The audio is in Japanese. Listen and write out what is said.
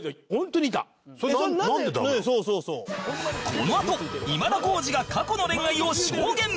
このあと今田耕司が過去の恋愛を証言